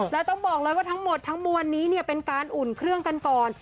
แล้วต้องบอกเลยว่าทั้งหมดทั้งมวลนี้เนี่ยเป็นการอุ่นเครื่องกันก่อน